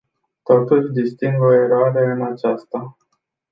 Totuși, disting o eroare în acesta.